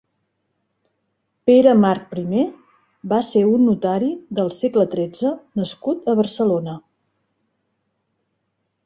Pere March primer va ser un notari del segle tretze nascut a Barcelona.